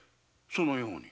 そのように。